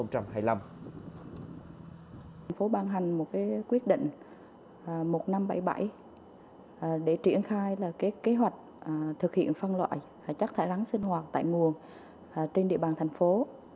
thành phố ban hành một quyết định một nghìn năm trăm bảy mươi bảy để triển khai kế hoạch thực hiện phân loại chất thải rắn sinh hoạt tại nguồn trên địa bàn thành phố